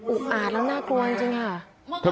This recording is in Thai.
อู้วอ่าแล้วน่ากลัวจริงจังอะ